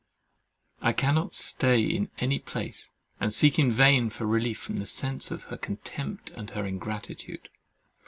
I cannot stay in any place, and seek in vain for relief from the sense of her contempt and her ingratitude.